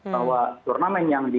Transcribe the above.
bahwa turnamen yang di